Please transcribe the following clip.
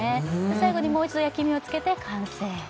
最後にもう一度焼き目をつけて完成